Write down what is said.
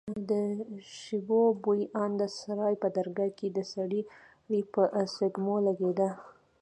د شبيو بوى ان د سراى په درگاه کښې د سړي په سپږمو لگېده.